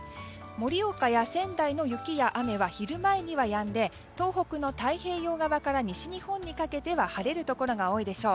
盛岡や仙台の雪や雨は昼前にはやんで東北の太平洋側から西日本にかけては晴れるところが多いでしょう。